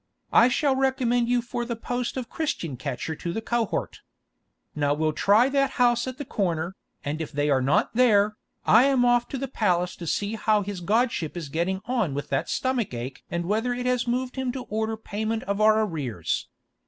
I shall recommend you for the post of Christian catcher to the cohort. Now we'll try that house at the corner, and if they are not there, I am off to the palace to see how his godship is getting on with that stomach ache and whether it has moved him to order payment of our arrears.